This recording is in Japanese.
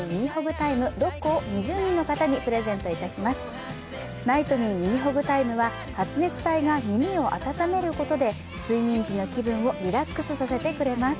タイムは、発熱体が耳を温めることで睡眠時の気分をリラックスさせてくれます。